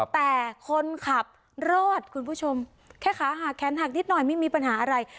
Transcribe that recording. แต่คนขับรอดคุณผู้ชมแค่ขาหักแขนหักนิดหน่อยไม่มีปัญหาอะไร